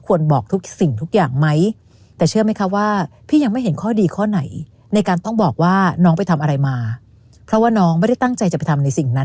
ควรบอกสิ่งทุกอย่างไหม